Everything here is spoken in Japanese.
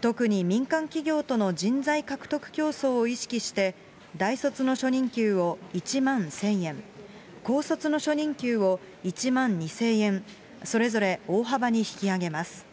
特に民間企業との人材獲得競争を意識して、大卒の初任給を１万１０００円、高卒の初任給を１万２０００円、それぞれ大幅に引き上げます。